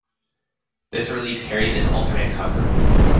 This release carries an alternate cover.